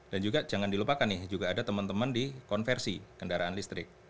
dan juga jangan dilupakan nih juga ada teman teman di konversi kendaraan listrik